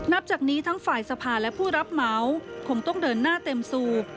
นับจากนี้ทั้งฝ่ายสภาและผู้รับเหมาคงต้องเดินหน้าเต็มสูบ